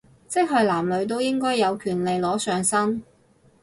即係男女都應該有權利裸上身